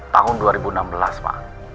tahun dua ribu enam belas pak